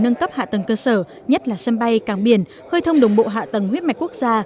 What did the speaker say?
nâng cấp hạ tầng cơ sở nhất là sân bay càng biển khơi thông đồng bộ hạ tầng huyết mạch quốc gia